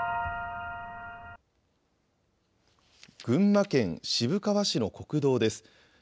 群馬県渋川市の国道です。